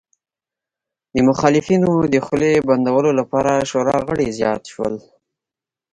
د مخالفینو د خولې بندولو لپاره شورا غړي زیات شول